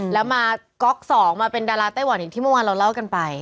แล้วมาก็กศ๒มาเป็นดาลาศไต้หวันอีกทีเมื่อวานเราเล่ากันไป